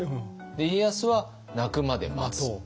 家康は「鳴くまで待つ」。